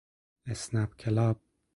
اسنپ کلاب